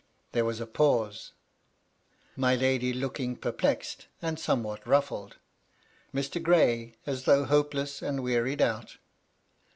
There was a pause ; my lady looking perplexed, and somewhat ruflSed ; Mr. Gray as though hopeless and wearied out.